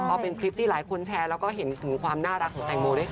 ก็เป็นคลิปที่หลายคนแชร์แล้วก็เห็นถึงความน่ารักของแตงโมด้วยค่ะ